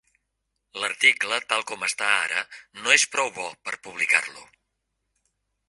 L'article, tal com està ara, no és prou bo per publicar-lo.